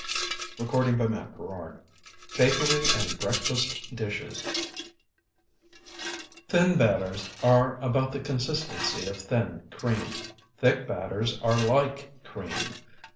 BAKERY AND BREAKFAST DISHES BAKERY AND BREAKFAST DISHES Thin batters are about the consistency of thin cream. Thick batters are like cream.